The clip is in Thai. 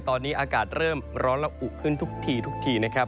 ตอนนี้อากาศเริ่มร้อนและอุขึ้นทุกทีทุกทีนะครับ